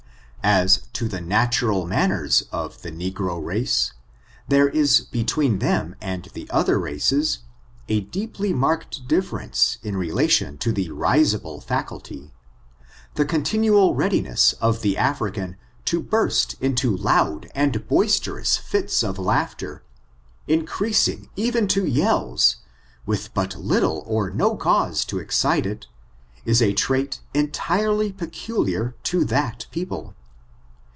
As to the natural manners of the negro race, there is between them and the other races, a deeply mark ed difierence in relation to the risible faculty. The continual readiness of the African to burst into loud and boisterous fits of laughter, increasing even to yells, with but little or no cause to excite it, is a trait entirely peculiar to that people.